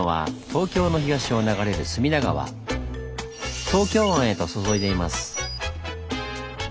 東京湾へと注いでいます。